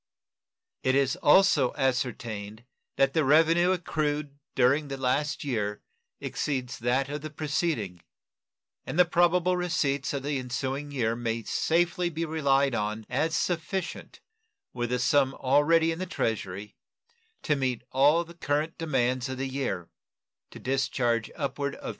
It is also ascertained that the revenue accrued during the last year exceeds that of the preceding, and the probable receipts of the ensuing year may safely be relied on as sufficient, with the sum already in the Treasury, to meet all the current demands of the year, to discharge upward of $3.